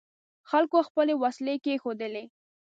خلکو خپلې وسلې کېښودلې.